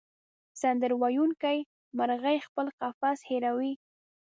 سندرې ویونکې مرغۍ خپل قفس هېروي.